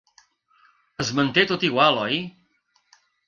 Es manté tot igual, oi?